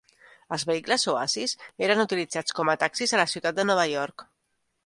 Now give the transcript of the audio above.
Els vehicles Oasis eren utilitzats com a taxis a la ciutat de Nova York.